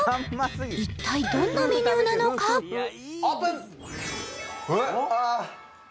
一体どんなメニューなのかオープン！